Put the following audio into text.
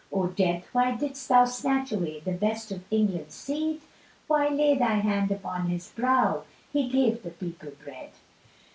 O death why didst thou snatch away The best of England's seed? Why lay thy hand upon his brow? "He gave the people bread."